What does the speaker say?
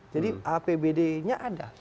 jadi apbd nya ada